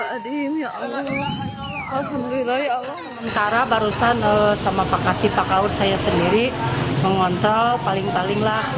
antara barusan sama pakasit pakaur saya sendiri mengontrol paling palinglah